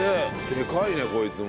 でかいねこいつも。